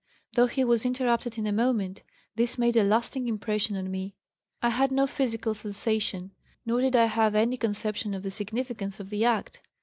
Though he was interrupted in a moment, this made a lasting impression on me. I had no physical sensation nor did I have any conception of the significance of the act.